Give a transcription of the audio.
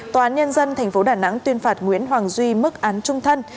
tòa án nhân dân tp đà nẵng tuyên phạt nguyễn hoàng duy mức án trung thân